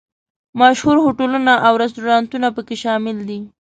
مشهور هوټلونه او رسټورانټونه په کې شامل دي.